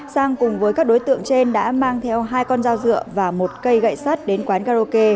sang cùng với các đối tượng trên đã mang theo hai con dao dựa và một cây gậy sắt đến quán karaoke